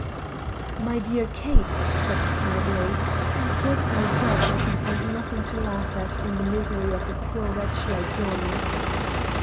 "My dear Kate," said he quietly, "as God's my judge, I can find nothing to laugh at in the misery of a poor wretch like yon."